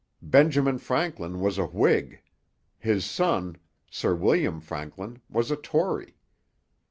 Benjamin Franklin was a Whig; his son, Sir William Franklin, was a Tory.